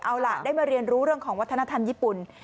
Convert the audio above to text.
เอาล่ะได้มาเรียนรู้เรื่องของวัฒนธรรมญี่ปุ่น